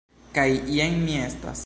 Kaj jen mi estas.